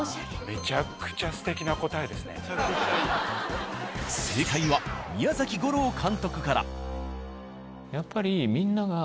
めちゃくちゃ正解は宮崎吾朗監督から。